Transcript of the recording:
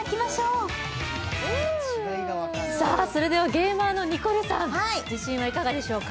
ゲーマーのニコルさん、自信はいかがでしょうか。